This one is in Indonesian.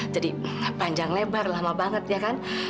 jadi panjang lebar lama banget ya kan